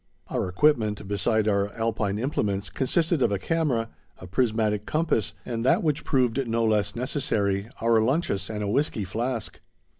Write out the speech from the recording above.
Our equipment, beside our Alpine implements, consisted of a camera, a prismatic compass, and that which proved no less necessary, our lunches and a whiskey flask.